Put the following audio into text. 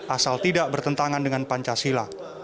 asal tidak bertentangan dengan pancasila